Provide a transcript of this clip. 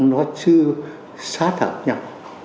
nó chưa sát hợp nhau